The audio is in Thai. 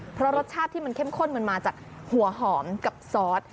เพราะรสชาติที่มันเข้มข้นมันมาจากหัวหอมกับซอส